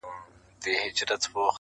چا له نظره کړې د ښکلیو د مستۍ سندري!!